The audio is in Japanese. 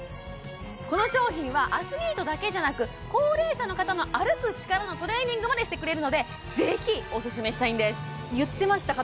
この商品はアスリートだけじゃなく高齢者の方の歩く力のトレーニングまでしてくれるのでぜひオススメしたいんです言っていました